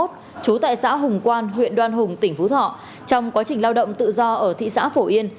trú tại xã hùng quan huyện đoan hùng tỉnh phú thọ trong quá trình lao động tự do ở thị xã phổ yên